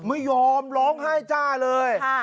ไม่ยอมร้องไห้จ้าเลย